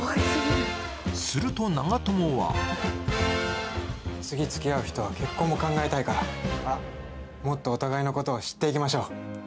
すると、長友は次つきあう人は結婚も考えたいからもっとお互いのことを知っていきましょう。